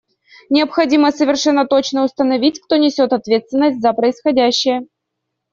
Необходимо совершенно точно установить, кто несет ответственность за происходящее.